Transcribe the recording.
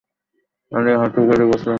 আরে, হাঁটু গেড়ে বসো।